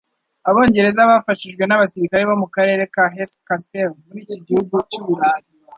Abongereza bafashijwe n'abasirikare bo mu karere ka Hesse-Kassel muri iki gihugu cy'Uburayi